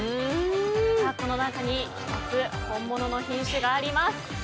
この中に１つ本物の品種があります。